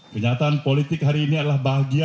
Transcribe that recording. kenyataan politik hari ini adalah bahagian dialektika